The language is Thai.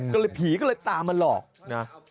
ก็เลยผีก็เลยตามมาหลอกนะ